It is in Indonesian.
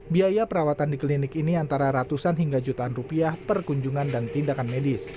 biaya perawatan di klinik ini antara ratusan hingga jutaan rupiah per kunjungan dan tindakan medis